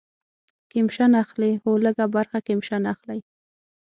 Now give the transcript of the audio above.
کمیشن اخلي؟ هو، لږ ه برخه کمیشن اخلی